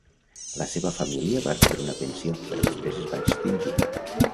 La seva família va rebre una pensió però després es va extingir.